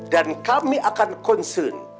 dan kami akan concern